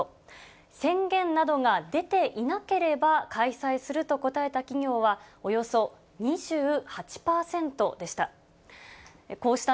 宣言などが出ていなければ開催すると答えた企業は、およそ２８％でした。